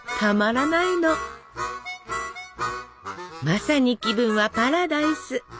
まさに気分はパラダイス！